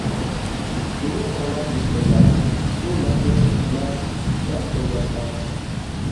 بۇنى ئاڭلاپ مۇخبىرلار: ‹ ‹بۇ مەخپىيەتلىك ئەمەس› › دەپ توۋلاشقان.